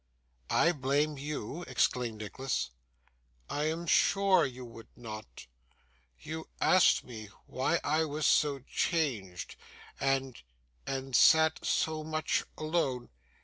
'I blame you!' exclaimed Nicholas. 'I am sure you would not. You asked me why I was so changed, and and sat so much alone.